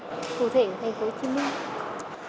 cụ thể thành phố hồ chí minh